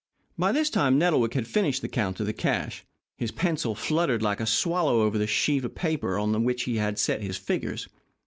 By this time Nettlewick had finished his count of the cash. His pencil fluttered like a swallow over the sheet of paper on which he had set his figures.